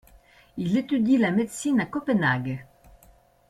Il étudie la médecine à Copenhague.